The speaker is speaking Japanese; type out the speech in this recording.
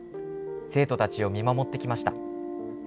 生徒たちを見守ってきました。